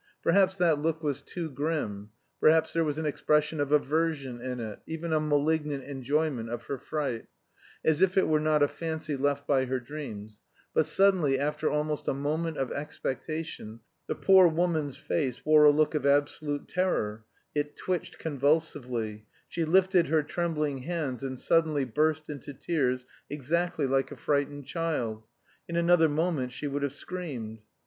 Perhaps that look was too grim, perhaps there was an expression of aversion in it, even a malignant enjoyment of her fright if it were not a fancy left by her dreams; but suddenly, after almost a moment of expectation, the poor woman's face wore a look of absolute terror; it twitched convulsively; she lifted her trembling hands and suddenly burst into tears, exactly like a frightened child; in another moment she would have screamed.